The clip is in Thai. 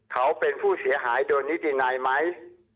เขาเป็นผู้เสียหายโดยนิตินัยไหม